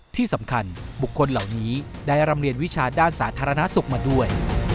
ที่สำคัญบุคคลเหล่านี้ได้รำเรียนวิชาด้านสาธารณสุขมาด้วย